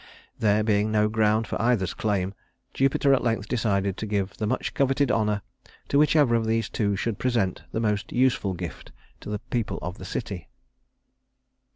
There being no ground for either's claim, Jupiter at length decided to give the much coveted honor to whichever of these two should present the most useful gift to the people of the city.